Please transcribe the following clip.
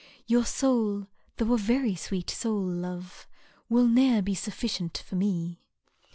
Your soul, though a very sweet soul, love. Will ne*er be sufficient for me.